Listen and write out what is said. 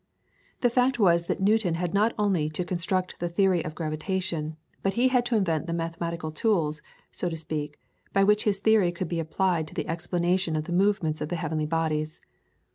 The fact was that Newton had not only to construct the theory of gravitation, but he had to invent the mathematical tools, so to speak, by which his theory could be applied to the explanation of the movements of the heavenly bodies.